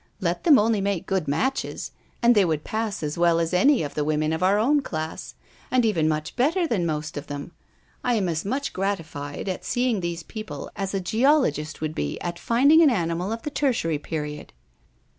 Let them only make good matches, and they would pass as well as any of the women of our own class, and even much better than most of them. I am as much gratified at seeing these people as a geologist would be at finding an animal of the tertiary period."